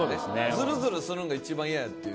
ずるずるするんが一番嫌やっていう。